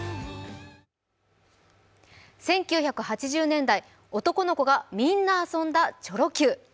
１９８０年代、男の子がみんな遊んだチョロＱ。